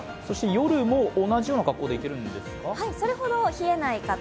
夜も同じような格好でいけるんですか。